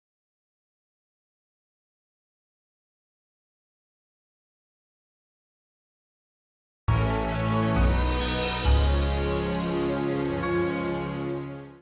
saya pikirnya halloween the new year plans rasanya sepertinya